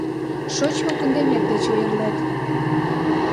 Шочмо кундемет деч ойырлет.